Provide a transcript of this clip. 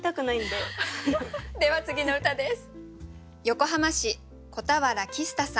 では次の歌です。